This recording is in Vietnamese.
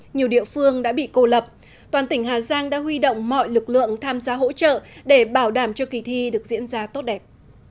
nhiều địa phương đã bị cô lập toàn tỉnh hà giang đã huy động mọi lực lượng tham gia hỗ trợ để bảo đảm cho kỳ thi được diễn ra tốt đẹp